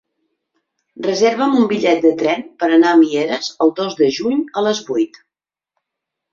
Reserva'm un bitllet de tren per anar a Mieres el dos de juny a les vuit.